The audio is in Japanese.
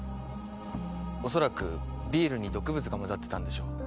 おそらくビールに毒物が混ざってたんでしょう。